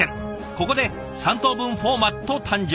ここで３等分フォーマット誕生。